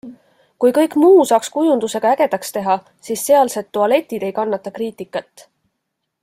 Kui kõik muu saaks kujundusega ägedaks teha, siis sealsed tualetid ei kannata kriitikat.